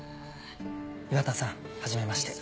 岩田さん初めまして。